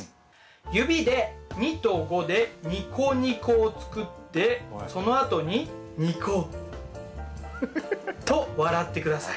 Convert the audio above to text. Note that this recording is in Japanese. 指で２と５でニコニコを作ってそのあとにニコッ。と笑って下さい。